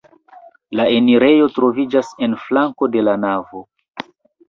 La enirejo troviĝas en flanko de la navo.